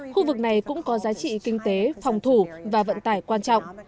khu vực này cũng có giá trị kinh tế phòng thủ và vận tải quan trọng